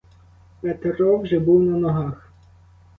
Петро вже був на ногах.